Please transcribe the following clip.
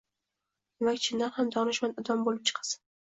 demak, chindan ham donishmand odam bo‘lib chiqasan.